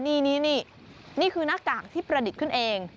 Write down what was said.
นี่นี่คือหน้ากากที่ประดิษฐ์ขึ้นเอง